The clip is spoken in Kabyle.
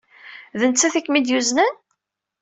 D nettat ay kem-id-yuznen?